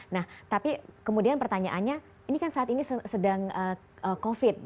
nah tapi kemudian pertanyaannya ini kan saat ini sedang covid